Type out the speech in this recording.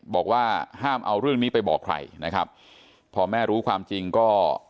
บอกว่าห้ามเอาเรื่องนี้ไปบอกใครนะครับพอแม่รู้ความจริงก็